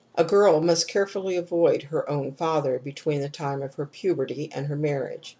A girl must carefully avoid her own father between the time of her puberty and her marriage.